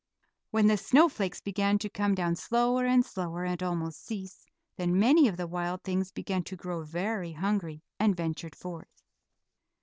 When the snowflakes began to come down slower and slower, and almost cease, then many of the wild things began to grow very hungry and ventured forth.